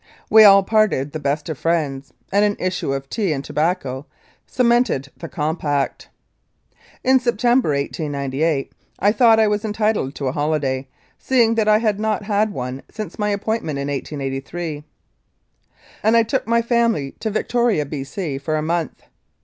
We all parted the best of friends, arid an issue of tea and tobacco cemented the compact. In September, 1898, I thought I was entitled to a holiday, seeing that I had not had one since my appoint ment in 1883, and took my family to Victoria, B.C., for a month.